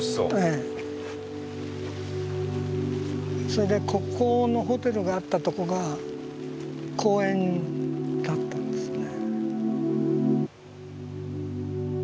それでここのホテルがあったとこが公園だったんですね。